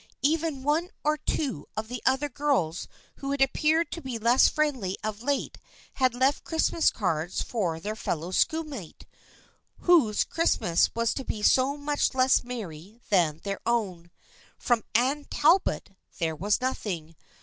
Even one or two of the other girls who had appeared to be less friendly of late had left Christmas cards for their fellow schoolmate, whose Christmas was to be so much less merry than their own. From Anne Talbot there was nothing.